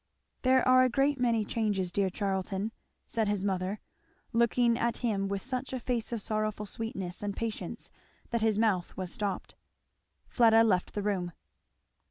"There are a great many changes, dear Charlton," said his mother, looking at him with such a face of sorrowful sweetness and patience that his mouth was stopped. Fleda left the room.